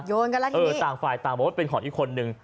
กันแล้วกันเออต่างฝ่ายต่างบอกว่าเป็นของอีกคนนึง